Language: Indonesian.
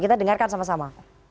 kita dengarkan sama sama